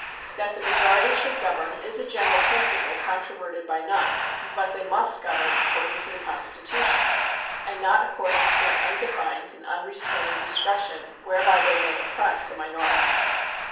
That the majority should govern is a general principle controverted by none, but they must govern according to the Constitution, and not according to an undefined and unrestrained discretion, whereby they may oppress the minority.